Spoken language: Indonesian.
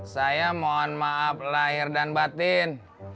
saya mohon maaf lahir dan batin